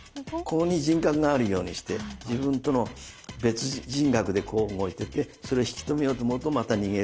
ここに人格があるようにして自分との別人格でこう動いててそれを引き止めようと思うとまた逃げる。